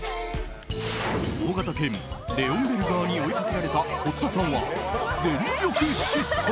大型犬レオンベルガーに追いかけられた堀田さんは、全力疾走。